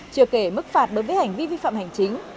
chưa kể mức phạt đối với hành vi vi phạm hành chính